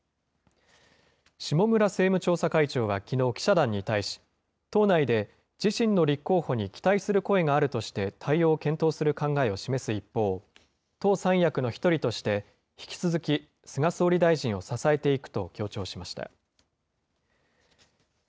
下村政務調査会長は、きのう記者団に対し、党内で自身の立候補に期待する声があるとして対応を検討する考えを示す一方、党三役の１人として、引き続き菅総理大臣を支えていくと強調しました。